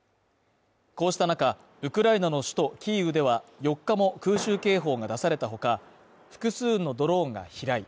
こうした中、ウクライナの首都キーウでは４日も空襲警報が出された他、複数のドローンが飛来。